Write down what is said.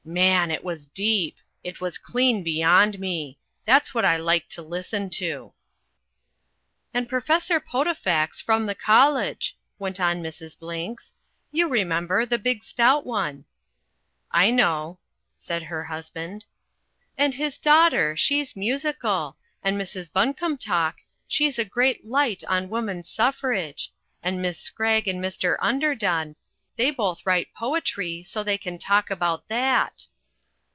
Man! It was deep. It was clean beyond me. That's what I like to listen to." "And Professor Potofax from the college," went on Mrs. Blinks. "You remember, the big stout one." "I know," said her husband. "And his daughter, she's musical, and Mrs. Buncomtalk, she's a great light on woman suffrage, and Miss Scragg and Mr. Underdone they both write poetry, so they can talk about that."